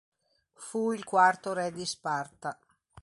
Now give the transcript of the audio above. Fu il quarto re di Sparta.